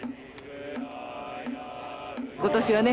今年はね